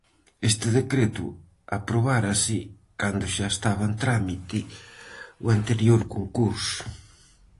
Este decreto aprobárase cando xa estaba en trámite o anterior concurso.